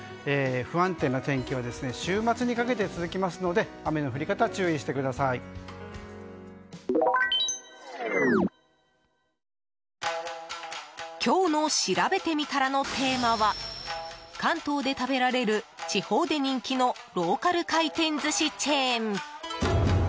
不安定な天気は週末にかけて続くので今日のしらべてみたらのテーマは関東で食べられる、地方で人気のローカル回転寿司チェーン。